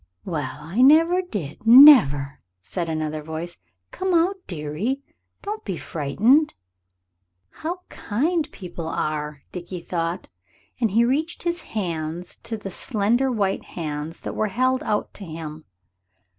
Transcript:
"Well, I never did never!" said another voice. "Come out, dearie; don't be frightened." "How kind people are!" Dickie thought, and reached his hands to slender white hands that were held out to him.